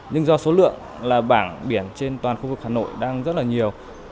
nhưng do số lượng là bảng biển trên toàn khu vực hà nội đang rất là nhiều